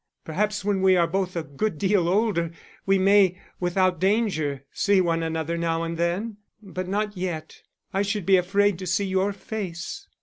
Perhaps when we are both a good deal older we may, without danger, see one another now and then; but not yet. I should be afraid to see your face.